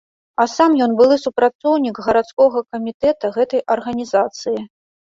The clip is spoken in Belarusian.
А сам ён былы супрацоўнік гарадскога камітэта гэтай арганізацыі.